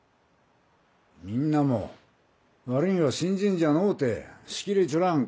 みんなも悪いんは新人じゃのうて仕切れちょらん